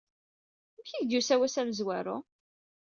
Amek i k-d-yusa wass amezwaru?